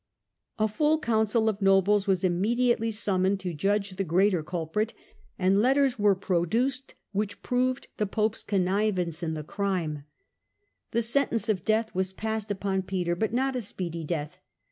A full council of nobles was immediately summoned to judge the greater culprit, and letters were produced which proved the Pope's connivance in the crime. The 268 STUPOR MUNDI sentence of death was passed upon Peter, but not a speedy death.